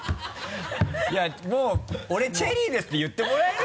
いやもう「俺チェリーです」って言ってもらえる？